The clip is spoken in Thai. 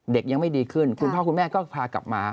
ยังไม่ดีขึ้นคุณพ่อคุณแม่ก็พากลับมา